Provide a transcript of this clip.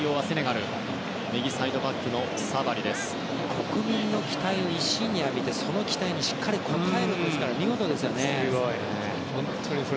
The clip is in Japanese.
国民の期待を一身に浴びてその期待にしっかり応えるんですから見事ですよね。